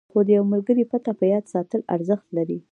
خو د یوه ملګري پته په یاد ساتل ارزښت لري.